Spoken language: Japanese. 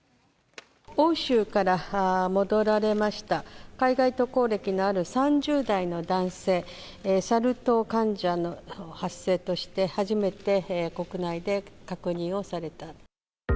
欧州から戻られました、海外渡航歴のある３０代の男性、サル痘患者の発生として初めて国内で確認をされた。